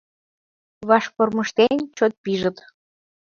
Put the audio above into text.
Ваш кормыжтен, чот пижыт.